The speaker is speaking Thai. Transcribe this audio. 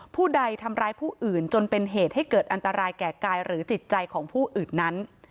ผู้ใดทำร้ายผู้อื่นจนเป็นเหตุให้เกิดอันตรายแก่กายหรือจิตใจของผู้อื่นนั้น